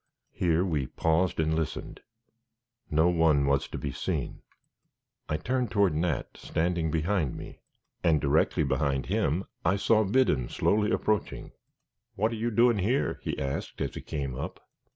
Here we paused and listened. No one was to be seen. I turned toward Nat, standing behind me, and directly behind him I saw Biddon slowly approaching. "What are you doin' here?" he asked, as he came up.